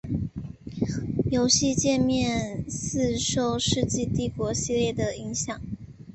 游戏介面似受世纪帝国系列的影响。